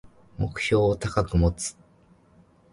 目標を高く持つ